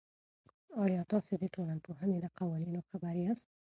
آیا تاسې د ټولنپوهنې له قوانینو خبر یاست؟